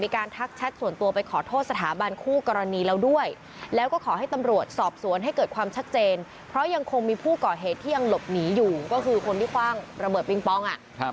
ก็คือคนที่คว่างระเบิดปิงปอง